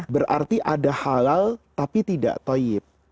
berarti ada halal tapi tidak toyib